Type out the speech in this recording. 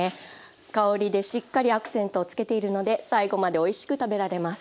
香りでしっかりアクセントをつけているので最後までおいしく食べられます。